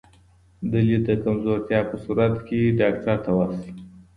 د لید د کمزورتیا په صورت کې ډاکټر ته ورشئ.